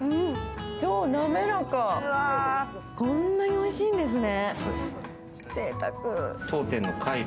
超滑らか、こんなにおいしいんですね。